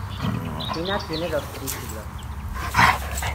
China tiene dos títulos.